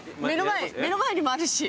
目の前にもあるし。